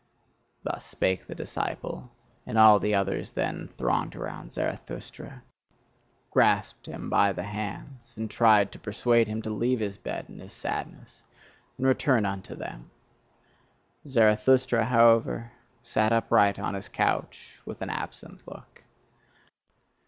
Thus spake the disciple; and all the others then thronged around Zarathustra, grasped him by the hands, and tried to persuade him to leave his bed and his sadness, and return unto them. Zarathustra, however, sat upright on his couch, with an absent look.